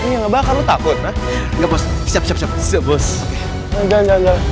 yang bakal takut enggak used to learn